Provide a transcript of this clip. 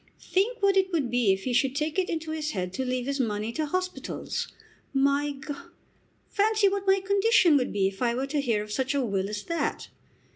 Think what it would be if he should take it into his head to leave his money to hospitals. My G ; fancy what my condition would be if I were to hear of such a will as that!